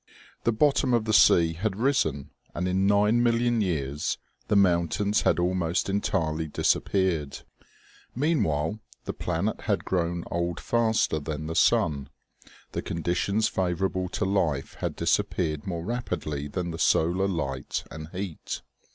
The bottom of the sea had risen, and in nine million years the mountains had almost entirely disappeared. Meanwhile, the planet had grown old faster than the sun ; the conditions favorable to life had disappeared more rapidly than the solar light and heat.